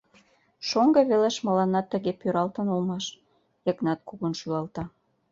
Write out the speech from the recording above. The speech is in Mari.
— Шоҥго велеш мыланна тыге пӱралтын улмаш, — Йыгнат кугун шӱлалта.